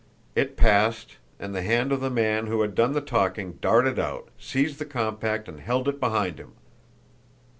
It passed, and the hand of the man who had done the talking darted out, seized the compact, and held it behind him.